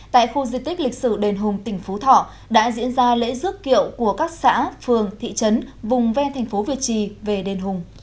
tại khu di tích lịch sử đền hùng tỉnh phú thọ đã diễn ra lễ rước kiệu của các xã phường thị trấn vùng ven thành phố việt trì về đền hùng